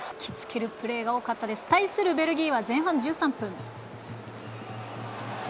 対するベルギーは前半１３分。